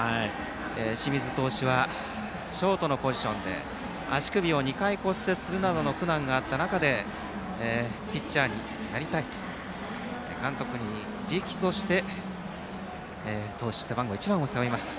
清水投手はショートのポジションで足首を２回骨折するなどの苦難があった中でピッチャーになりたいと監督に直訴して投手、背番号１番を背負いました。